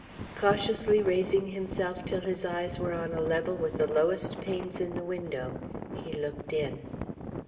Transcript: Cautiously raising himself till his eyes were on a level with the lowest panes in the window, he looked in.